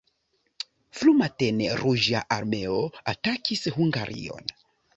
Frumatene Ruĝa Armeo atakis Hungarion.